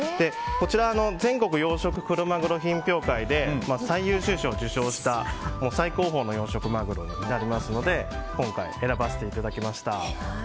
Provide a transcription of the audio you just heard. こちらは全国養殖クロマグロ品評会で最優秀賞を受賞した最高峰の養殖マグロですので今回、選ばせていただきました。